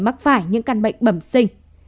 mắc phải những căn bệnh bẩm sinh